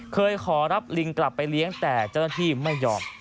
เคยขอรับลิงกลับไปเลี้ยงแต่เจ้าหน้าที่ไม่ยอม